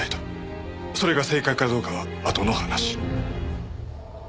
それが正解かどうかはあとの話。